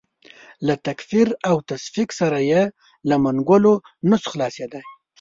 له تکفیر او تفسیق سره یې له منګولو نه شو خلاصېدای.